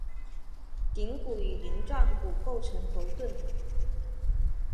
顶骨与鳞状骨构成头盾。